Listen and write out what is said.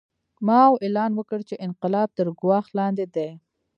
ماوو اعلان وکړ چې انقلاب تر ګواښ لاندې دی.